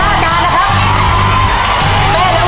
กระทั้ง๕จานนะครับ